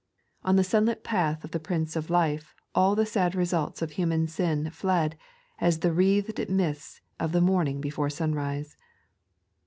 On the sunlit path of the Prince of Life all the sad results of human sin fled, as the wreathed mists of morning before sunrise.